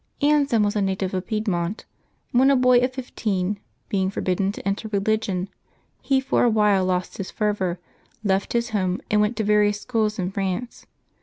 HysELM was a native of Piedmont. When a boy of fifteen, being forbidden to enter religion, he for a while lost his fervor, left his home, and went to yarious schools in France.